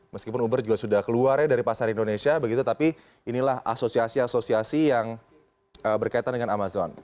meskipun uber juga sudah keluarnya dari pasar indonesia begitu tapi inilah asosiasi asosiasi yang berkaitan dengan amazon